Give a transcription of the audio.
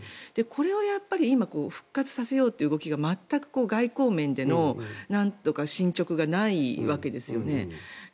それを今、復活させようという動きが全く外交面での進ちょくがないわけですよね。